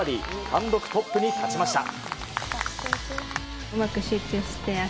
単独トップに立ちました。